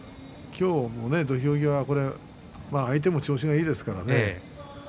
今日も土俵際相手も調子がいいですからね